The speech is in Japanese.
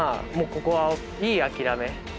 ここはいい諦め。